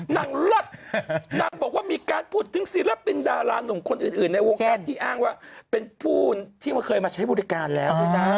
เลิศนางบอกว่ามีการพูดถึงศิลปินดารานุ่มคนอื่นในวงการที่อ้างว่าเป็นผู้ที่เคยมาใช้บริการแล้ว